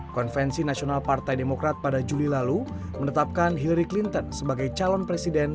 konvensi nasional partai demokrat pada juli lalu menetapkan hillary clinton sebagai calon presiden